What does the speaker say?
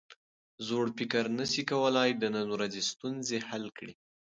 زوړ فکر نسي کولای د نن ورځې ستونزې حل کړي.